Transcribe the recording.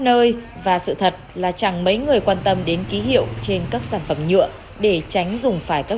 nơi và sự thật là chẳng mấy người quan tâm đến ký hiệu trên các sản phẩm nhựa để tránh dùng phải các